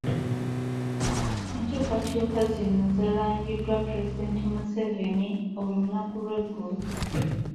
Ekyukakyuka zino zaalangiriddwa Pulezidenti Museveni olunaku lw’eggulo.